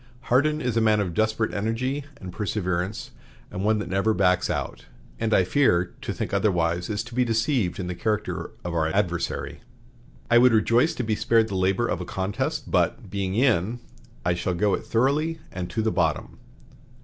Hardin is a man of desperate energy and perseverance, and one that never backs out; and, I fear, to think otherwise is to be deceived in the character of our adversary. I would rejoice to be spared the labor of a contest, but, 'being in,' I shall go it thoroughly and to the bottom."